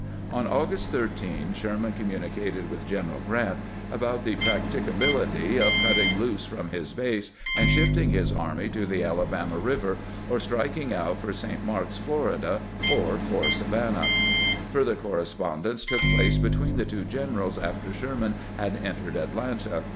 On August 13 Sher man communicated with Grant about the practicability of cutting loose from his base and shifting his army to the Alabama River, or striking out for St. Mark's, Florida, or for Savannah. Further correspondence took place between the two generals after Sherman had en tered Atlanta.